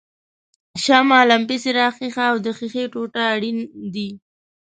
شمع، لمپې څراغ ښيښه او د ښیښې ټوټه اړین دي.